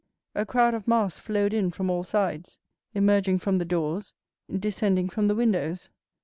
A crowd of masks flowed in from all sides, emerging from the doors, descending from the windows.